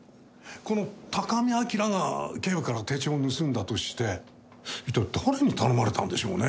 この高見明が警部から手帳を盗んだとして一体誰に頼まれたんでしょうね？